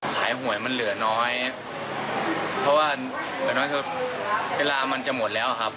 ขายหวยมันเหลือน้อยเพราะว่าเวลามันจะหมดแล้วครับ